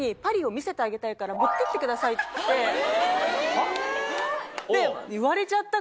はっ？